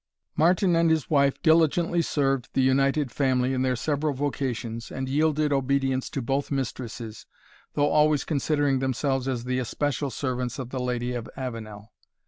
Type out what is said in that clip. Martin and his wife diligently served the united family in their several vocations, and yielded obedience to both mistresses, though always considering themselves as the especial servants of the Lady of Avenel.